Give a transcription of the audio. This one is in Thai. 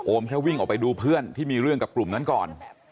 แค่วิ่งออกไปดูเพื่อนที่มีเรื่องกับกลุ่มนั้นก่อน